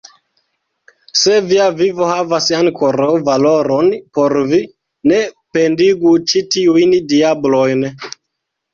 Se via vivo havas ankoraŭ valoron por vi, ne pendigu ĉi tiujn diablojn!